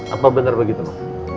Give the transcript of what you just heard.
apa benar begitu no